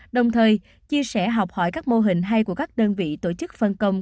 đồng thời chia sẻ học hỏi các mô hình hay của các đơn vị tổ chức phân công